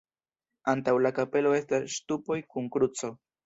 Antaŭ la kapelo estas ŝtupoj kun kruco.